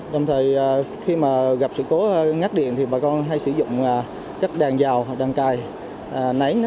đồng thời khi mà gặp sự cố ngắt điện thì bà con hay sử dụng các đàn dào hoặc đàn cài nánh